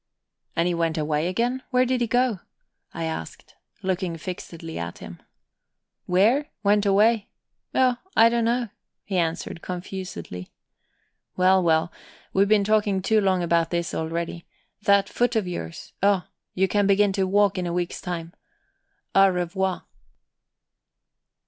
"And he went away again? Where did he go?" I asked, looking fixedly at him. "Where? Went away? Oh, I don't know," he answered confusedly. "Well, well, we've been talking too long about this already. That foot of yours oh, you can begin to walk in a week's time. _Au revoir.